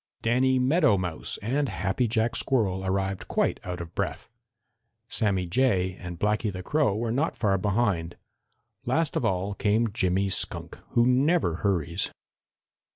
Danny Meadow Mouse and Happy Jack Squirrel arrived quite out of breath. Sammy Jay and Blacky the Crow were not far behind. Last of all came Jimmy Skunk, who never hurries.